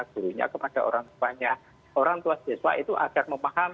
gurunya kepada orang tuanya orang tua siswa itu agar memahami